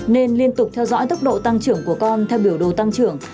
nên liên tục theo dõi tốc độ tăng trưởng của con theo biểu đồ tăng trưởng